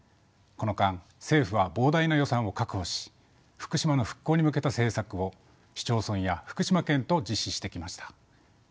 この間政府は膨大な予算を確保し福島の復興に向けた政策を市町村や福島県と実施してきました。